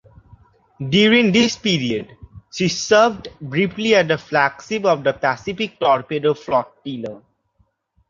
During this period, she served briefly as the flagship of the Pacific Torpedo Flotilla.